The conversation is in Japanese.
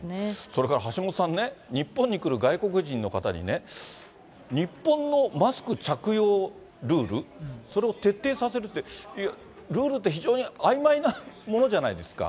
それから橋下さんね、日本に来る外国人の方に、日本のマスク着用ルール、それを徹底させるって、ルールって非常にあいまいなものじゃないですか。